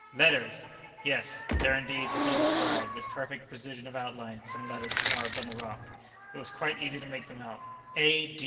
"Letters!" Yes; there, indeed, could be descried, with perfect precision of outline, some letters carved on the rock. It was quite easy to make them out: "A.